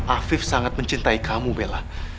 afif sangat mencintai kamu bella